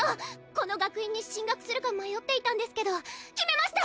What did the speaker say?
この学院に進学するか迷っていたんですけど決めました！